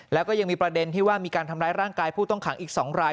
แล้วก็ยังมีประเด็นที่ว่ามีการทำร้ายร่างกายผู้ต้องขังอีก๒ราย